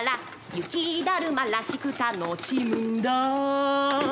雪だるまらしく楽しむんだ